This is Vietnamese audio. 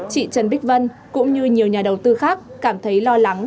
chị trần bích vân cũng như nhiều nhà đầu tư khác cảm thấy lo lắng